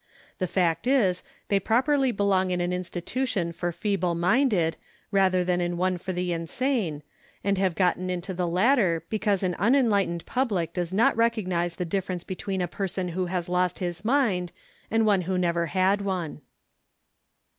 The fact is they properly belong in an institution for feeble minded, rather than in one WHAT IT MEANS 57 for the insane, and have gotten into the latter because an unenlightened public does not recognize the difference between a person who has lost his mind and one who never had one.